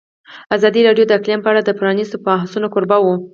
ازادي راډیو د اقلیم په اړه د پرانیستو بحثونو کوربه وه.